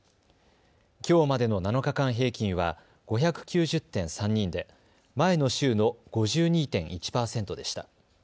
きょうまでの７日間平均は５９０．３人で前の週の５２．１％でした。